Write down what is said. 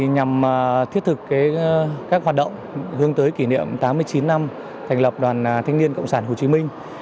nhằm thiết thực các hoạt động hướng tới kỷ niệm tám mươi chín năm thành lập đoàn thanh niên cộng sản hồ chí minh